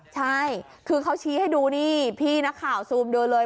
ใช่คือเขาชี้ให้ดูนี่พี่นักข่าวซูมดูเลย